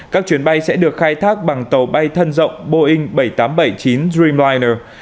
các chuyến bay sẽ được khai thác bằng tàu bay thân rộng boeing bảy trăm tám mươi bảy chín dreamliner